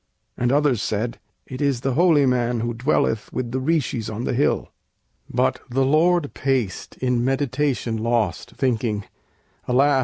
And others said, "It is the holy man Who dwelleth with the Rishis on the hill." But the Lord paced, in meditation lost, Thinking, "Alas!